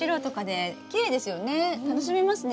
楽しめますね